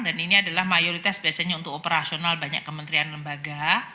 dan ini adalah mayoritas biasanya untuk operasional banyak kementerian lembaga